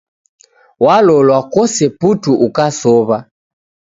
Walolwa kose putu ukasow'a.